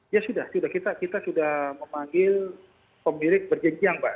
ya sudah sudah kita sudah memanggil pemilik berjenjang mbak